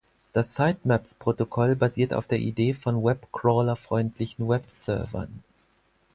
Das Sitemaps-Protokoll basiert auf der Idee von "Webcrawler-freundlichen Webservern".